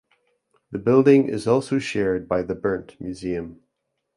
The building is also shared by the Berndt Museum.